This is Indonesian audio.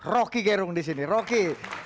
rocky gerung di sini rocky